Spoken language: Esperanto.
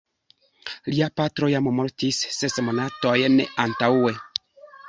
Lia patro jam mortis ses monatojn antaŭe.